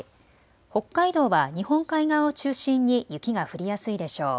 北海道は日本海側を中心に雪が降りやすいでしょう。